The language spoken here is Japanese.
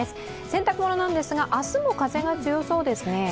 洗濯物なんですが、明日も風が強そうですね。